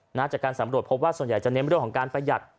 จากการสำรวจพบว่าส่วนใหญ่จะเน้นเรื่องของการประหยัด